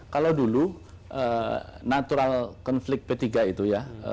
kalau dulu natural konflik p tiga itu ya